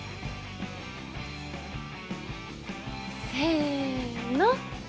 せの！